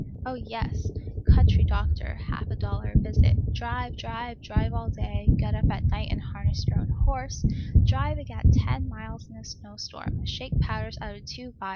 Oh, yes! country doctor, half a dollar a visit, drive, drive, drive all day, get up at night and harness your own horse, drive again ten miles in a snow storm, shake powders out of two phials, (pulv.